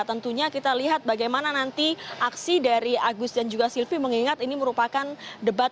tentunya kita lihat bagaimana nanti aksi dari agus dan juga silvi mengingat ini merupakan debat